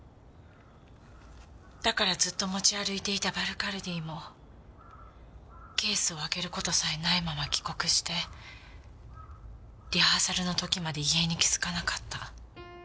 だからずっと持ち歩いていたヴァルカルデイもケースを開ける事さえないまま帰国してリハーサルの時まで異変に気づかなかった。